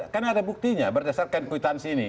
karena ada buktinya berdasarkan kwitansi ini